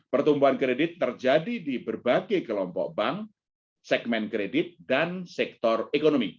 pertumbuhan kredit terjadi di berbagai kelompok bank segmen kredit dan sektor ekonomi